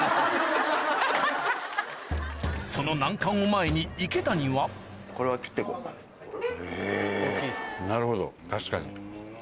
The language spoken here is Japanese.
その難関を前に池谷はへぇなるほど確かに。